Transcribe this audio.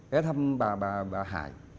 ghé thăm bà hải